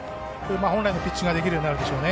本来のピッチングができるようになるでしょうね。